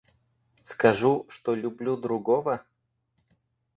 Скажу, что люблю другого?